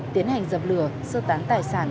tiến hành dập lửa sơ tán tài sản